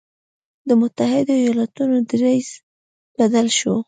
د متحدو ایالتونو دریځ بدل شو.